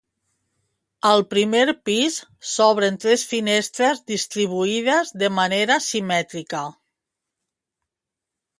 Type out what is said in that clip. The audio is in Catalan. Al primer pis s'obren tres finestres distribuïdes de manera simètrica.